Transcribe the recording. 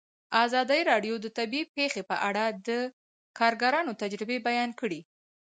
ازادي راډیو د طبیعي پېښې په اړه د کارګرانو تجربې بیان کړي.